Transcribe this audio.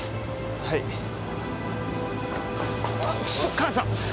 母さん！